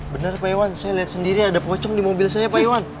benar pak iwan saya lihat sendiri ada pocong di mobil saya pak iwan